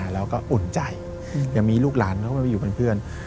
แล้วก็อุ่นใจยังมีลูกหลานเขาก็มาอยู่เป็นเพื่อน